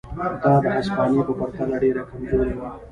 دا د هسپانیې په پرتله ډېره کمزورې وه.